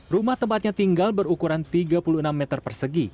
rumah tempatnya tinggal berukuran tiga puluh enam meter persegi